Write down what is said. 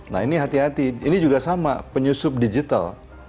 nah ini hati hati ini juga sama penyusup digital